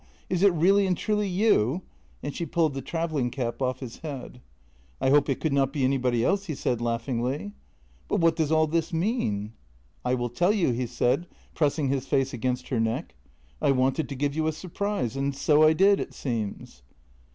Is it really and truly you? " and she pulled the travelling cap off his head. " I hope it could not be anybody else," he said laughingly. " But what does all this mean? "" I will tell you," he said, pressing his face against her neck. " I wanted to give you a surprise, and so I did, it seems."